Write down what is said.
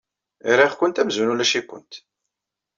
Rriɣ-kent amzun ulac-ikent.